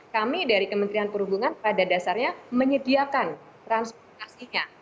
kami dari kementerian perhubungan pada dasarnya menyediakan transportasinya